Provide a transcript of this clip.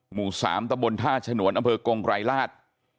หมู่๓ตะบนท่าฉนวนอำเภอกงไกรราช